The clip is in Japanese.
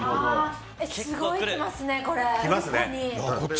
すごいきますね、これ。